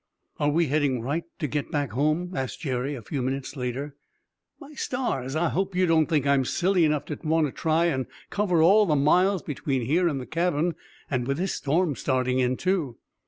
"Are we heading right to get back home?" asked Jerry, a few minutes later. "My stars! I hope you don't think I'm silly enough to want to try and cover all the miles between here and the cabin, and with this storm starting in, too."